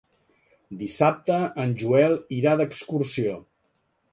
Dissabte en Joel irà d'excursió.